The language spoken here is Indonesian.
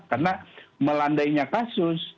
karena melandainya kasus